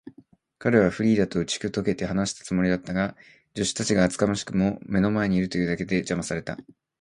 彼はフリーダとうちとけて話したかったが、助手たちが厚かましくも目の前にいるというだけで、じゃまされた。